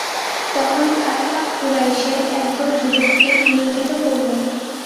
তখন খাত্তাব কুরাইশের একদল যুবককে নিয়োজিত করল।